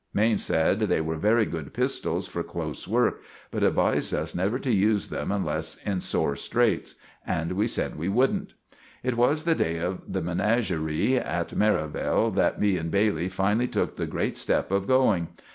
Maine sed they were very good pistells for close work, but advised us never to use them unless in soar straights. And we sed we wouldn't. It was the day of the menaggeree at Merivale that me and Bailey finally took the grate step of going.